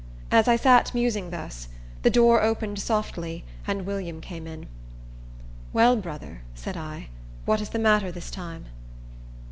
As I sat musing thus, the door opened softly, and William came in. "Well, brother," said I, "what is the matter this time?"